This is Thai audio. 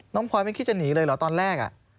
พลอยไม่คิดจะหนีเลยเหรอตอนแรก